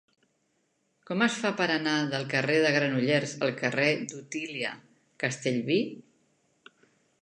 Com es fa per anar del carrer de Granollers al carrer d'Otília Castellví?